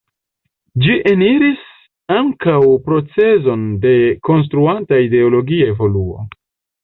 Ĝi eniris ankaŭ procezon de konstanta ideologia evoluo.